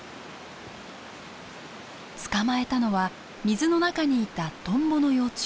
捕まえたのは水の中にいたトンボの幼虫。